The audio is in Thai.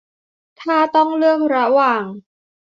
ถ้าต้องเลือกระหว่าง